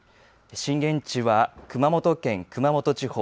震源地は熊本県熊本地方。